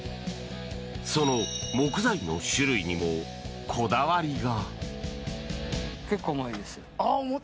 その木材の種類にもこだわりが。